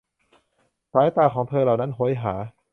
สายตาของเธอเหล่านั้นโหยหา !